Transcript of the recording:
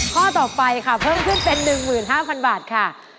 ข้อต่อไปค่ะเพิ่มขึ้นเป็น๑๕๐๐๐บาทค่ะ